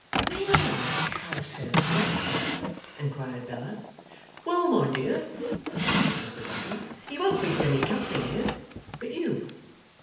'May I ask how so, sir?' inquired Bella. 'Well, my dear,' said Mr Boffin, 'he won't meet any company here, but you.